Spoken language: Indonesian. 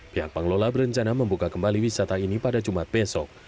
pihak pengelola berencana membuka kembali wisata ini pada jumat besok